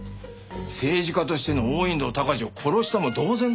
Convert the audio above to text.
政治家としての王隠堂鷹児を殺したも同然だろ。